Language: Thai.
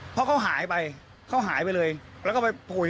เพราะเขาหายไปเขาหายไปเลยแล้วก็ไปผุย